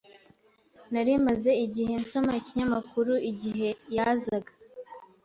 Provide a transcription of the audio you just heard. Nari maze igihe nsoma ikinyamakuru igihe yazaga.